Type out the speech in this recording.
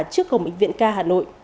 trước cổng bệnh viện k hà nội